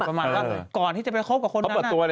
ประมาณก่อนที่จะไปครบกับคนนั้น